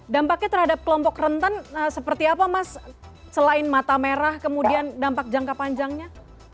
dampaknya terhadap kelompok rentan seperti apa mas selain mata merah kemudian dampak jangka panjangnya